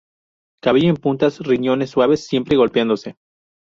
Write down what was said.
Cabello en puntas, riñones suaves, siempre golpeándose".